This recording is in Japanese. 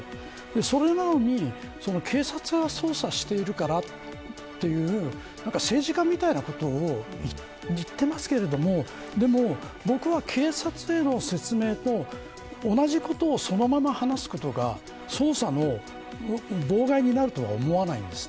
それなのに警察が捜査しているからという、政治家みたいなことを言っていますけれどもでも、僕は警察への説明と同じことをそのまま話すことが捜査の妨害になるとは思わないです。